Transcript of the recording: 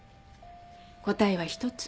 答えは１つ。